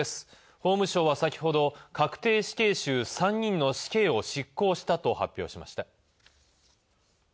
法務省は先ほど確定死刑囚３人の死刑を執行したと発表しました。